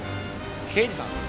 刑事さん